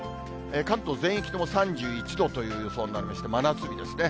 関東全域とも３１度という予想になりまして、真夏日ですね。